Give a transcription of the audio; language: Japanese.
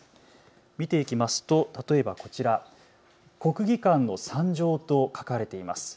見ていきますと例えばこちら、国技館の惨状と書かれています。